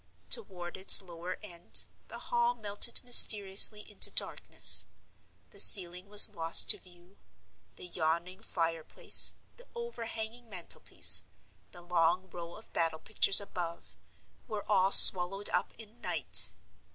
Toward its lower end, the Hall melted mysteriously into darkness. The ceiling was lost to view; the yawning fire place, the overhanging mantel piece, the long row of battle pictures above, were all swallowed up in night.